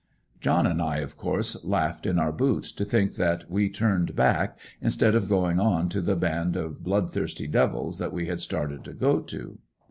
John and I of course laughed in our boots to think that we turned back, instead of going on to the band of blood thirsty devils that we had started to go to.